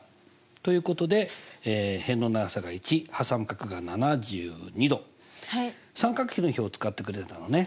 ということで辺の長さが１挟む角が７２°三角比の表使ってくれたのね。